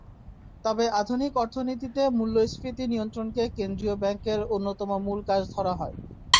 তবে আধুনিক অর্থনীতিতে মূল্যস্ফীতি নিয়ন্ত্রণকে কেন্দ্রীয় ব্যাংকের অন্যতম মূল কাজ ধরা হয়।